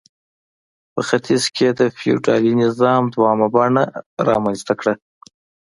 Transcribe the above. په ختیځ کې یې د فیوډالي نظام دویمه بڼه رامنځته کړه.